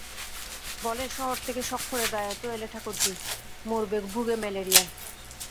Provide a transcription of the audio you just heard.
বলে, শহর থেকে শখ করে গাঁয়ে তো এলে ঠাকুরঝি, মরবে ভুগে ম্যালেরিয়ায়।